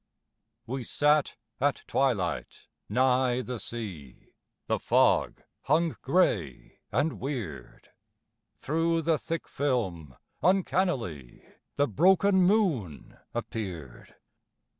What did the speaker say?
We sat at twilight nigh the sea, The fog hung gray and weird. Through the thick film uncannily The broken moon appeared.